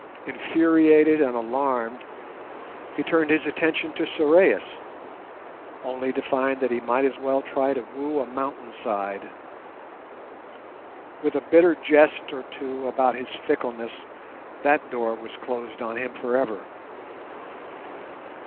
Infuriated and alarmed, he turned his attention to Sorais, only to find that he might as well try to woo a mountain side. With a bitter jest or two about his fickleness, that door was closed on him for ever.